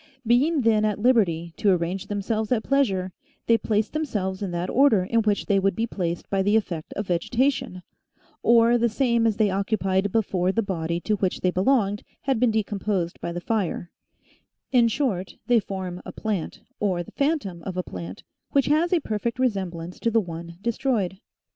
Being then at liberty to arrange themselves at pleasure, they place themselves in that order 108 THE SEVEN FOLLIES OF SCIENCE in which they would be placed by the effect of vegetation, or the same as they occupied before the body to which they belonged had been decomposed by the fire ; in short, they form a plant, or the phantom of a plant, which has a per fect resemblance to the one destroyed.